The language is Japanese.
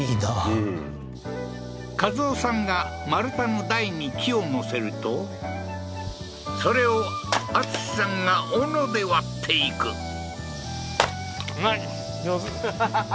うん一夫さんが丸太の台に木を乗せるとそれを敦さんがおので割っていくははは